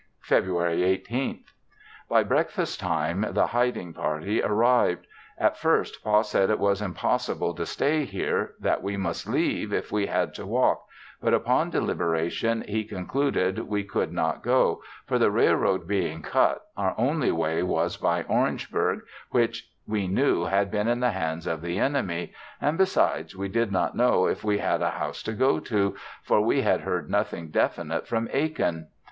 Febr'y. 18th. By breakfast time, the hiding party arrived. At first Pa said it was impossible to stay here; that we must leave, if we had to walk, but upon deliberation he concluded we could not go, for the railroad being cut, our only way was by Orangeburg, which we knew had been in the hands of the enemy, and besides, we did not know if we had a house to go to, for we had heard nothing definite from Aiken.